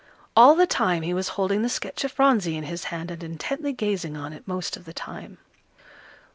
All the time he was holding the sketch of Phronsie in his hand, and intently gazing on it most of the time.